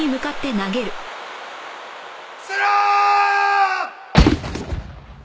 伏せろーっ！！